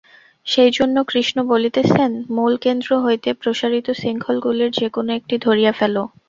সেইজন্য কৃষ্ণ বলিতেছেন মূল কেন্দ্র হইতে প্রসারিত শৃঙ্খলগুলির যে-কোন একটি ধরিয়া ফেল।